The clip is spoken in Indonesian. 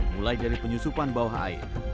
mulai dari penyusupan bawah air